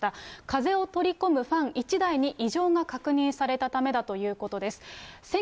風を取り込むファン１台に異常が確認されたためだということです。